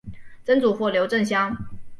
曾祖父刘震乡。